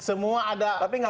semua ada ketentuanya